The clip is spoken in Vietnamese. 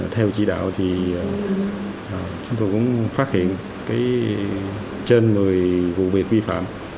theo chỉ đạo thì chúng tôi cũng phát hiện trên một mươi vụ việc vi phạm